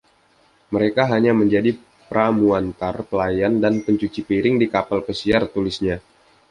Mereka hanya menjadi pramuantar, pelayan dan pencuci piring di kapal pesiar, tulisnya.